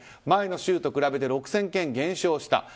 前の週と比べて６０００件減少した。